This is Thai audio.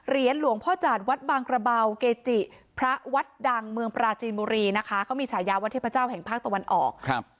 หลวงพ่อจาดวัดบางกระเบาเกจิพระวัดดังเมืองปราจีนบุรีนะคะเขามีฉายาวัดเทพเจ้าแห่งภาคตะวันออกครับ